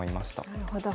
なるほど。